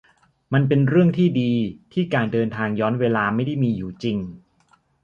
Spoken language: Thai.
มันเป็นเรื่องที่ดีที่การเดินทางย้อนเวลาไม่ได้มีอยู่จริง